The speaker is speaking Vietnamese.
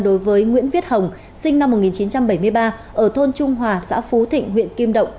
đối với nguyễn viết hồng sinh năm một nghìn chín trăm bảy mươi ba ở thôn trung hòa xã phú thịnh huyện kim động